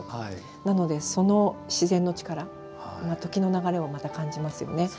なのでその自然の力、時の流れをまた感じますよね。